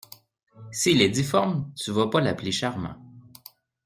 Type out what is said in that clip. S’il est difforme, tu vas pas l’appeler Charmant.